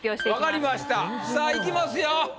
分かりましたさぁいきますよ。